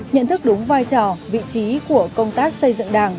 nhận thức đúng vai trò vị trí của công tác xây dựng đảng